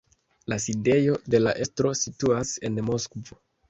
La sidejo de la estro situas en Moskvo.